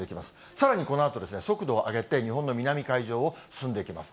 さらにこのあと、速度を上げて日本の南海上を進んでいきます。